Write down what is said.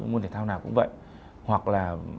môn thể thao nào cũng vậy hoặc là